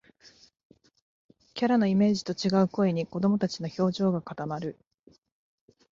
キャラのイメージと違う声に、子どもたちの表情が固まる